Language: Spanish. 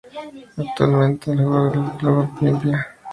Actualmente es jugador del Club Olimpia